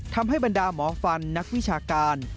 ทำให้บรรดาหมอฟันนักวิชาการ